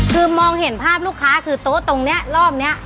คือมองเห็นภาพลูกค้าคือโต๊ะตรงนี้รอบนี้